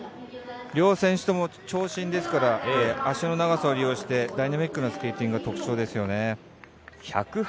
両選手とも長身ですから足の長さを利用してダイナミックなスケーティングが特徴ですよね。